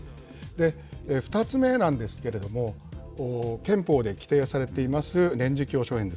２つ目なんですけれども、憲法で規定されています年次教書演説。